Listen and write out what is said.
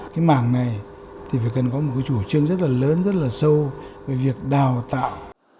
cái mảng này thì phải cần có một cái chủ trương rất là lớn rất là sâu về việc đào tạo